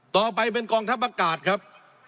ต่อไปเป็นกองทัพอากาศครับ